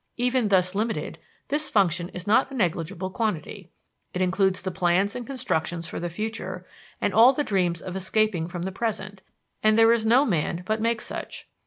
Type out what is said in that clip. Even thus limited, this function is not a negligible quantity: it includes the plans and constructions for the future, and all the dreams of escaping from the present; and there is no man but makes such.